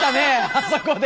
あそこで。